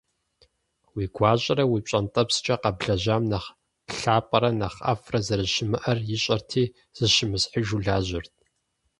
Уи гуащӀэрэ уи пщӀэнтӀэпскӀэ къэблэжьам нэхъ лъапӀэрэ нэхъ ӀэфӀрэ зэрыщымыӀэр ищӀэрти, зыщымысхьыжу лажьэрт.